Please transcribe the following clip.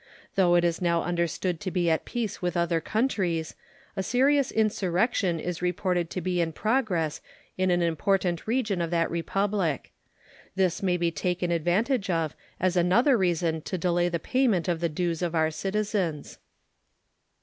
Though it is now understood to be at peace with other countries, a serious insurrection is reported to be in progress in an important region of that Republic. This may be taken advantage of as another reason to delay the payment of the dues of our citizens.